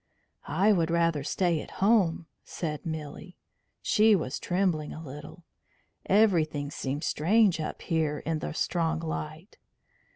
"I would rather stay at home," said Milly. She was trembling a little; everything seemed strange up here in the strong light.